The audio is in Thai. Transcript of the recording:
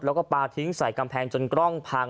แล้วก็ปลาทิ้งใส่กำแพงจนกล้องพัง